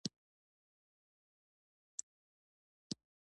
د امیب لپاره باید څه شی وکاروم؟